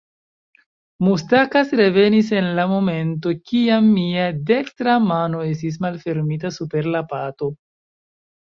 Mustakas revenis en la momento, kiam mia dekstra mano estis malfermita super la pato.